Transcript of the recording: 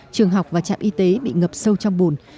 trường học và trạm y tế bị ngập sâu trong bùn